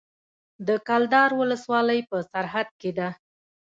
د کلدار ولسوالۍ په سرحد کې ده